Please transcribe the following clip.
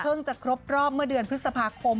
จะครบรอบเมื่อเดือนพฤษภาคม